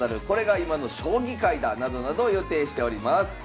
これが今の将棋界だ」などなど予定しております。